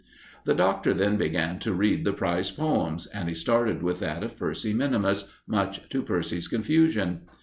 The Doctor then began to read the prize poems, and he started with that of Percy minimus, much to Percy's confusion.